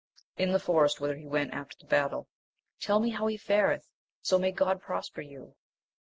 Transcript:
In the forest, whither he went after the battle. Tell me how he fareth, so may God prosper you.